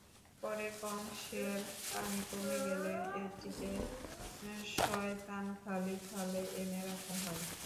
পরে কংশের পানি কমে গেলে এটিকে শয়তানখালী খালে এনে রাখা হয়।